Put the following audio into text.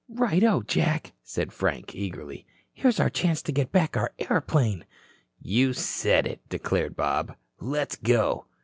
"Righto, Jack," said Frank eagerly. "Here's our chance to get back our airplane." "You said it," declared Bob. "Let's go."